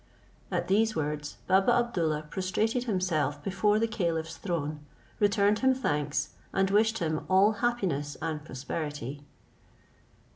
At these words, Baba Abdoollah prostrated himself before the caliph's throne, returned him thanks, and wished him all happiness and prosperity.